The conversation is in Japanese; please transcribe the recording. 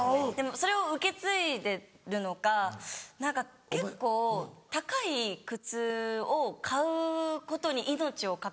それを受け継いでるのか何か結構高い靴を買うことに命を懸けてるんですよ。